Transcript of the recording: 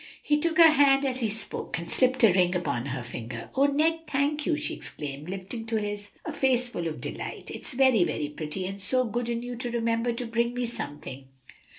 He took her hand as he spoke, and slipped a ring upon her finger. "O Ned, thank you!" she exclaimed, lifting to his a face full of delight. "It's very pretty, and so good in you to remember to bring me something."